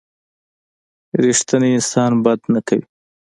رښتینی انسان بد نه کوي.